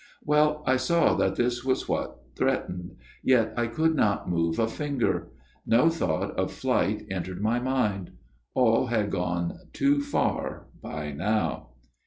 " Well, I saw that this was what threatened ; yet I could not move a finger. No thought of flight entered my mind. All had gone too far by now.